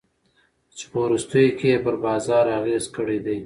چي په وروستیو کي ئې پر بازار اغېز کړی دی.